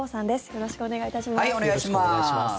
よろしくお願いします。